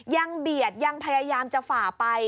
เบียดยังพยายามจะฝ่าไป